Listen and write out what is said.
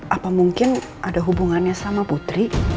apa mungkin ada hubungannya sama putri